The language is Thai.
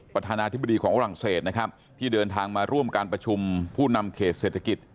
ประธานาธิบดีของฝรั่งเศสนะครับที่เดินทางมาร่วมการประชุมผู้นำเขตเศรษฐกิจ